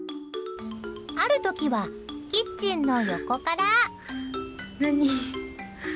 ある時はキッチンの横から。